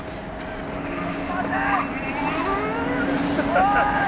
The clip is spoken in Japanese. おい！